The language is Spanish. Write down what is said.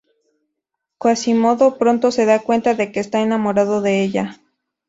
Quasimodo pronto se da cuenta de que está enamorado de ella.